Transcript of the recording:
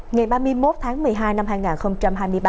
ngày ba mươi một tháng một mươi hai năm hai nghìn hai mươi ba